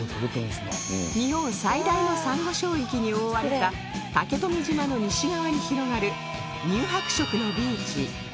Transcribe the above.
日本最大のサンゴ礁域に覆われた竹富島の西側に広がる乳白色のビーチカイジ浜